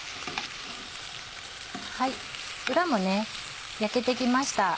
裏も焼けてきました。